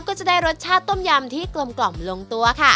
ก็จะได้รสชาติต้มยำที่กลมลงตัวค่ะ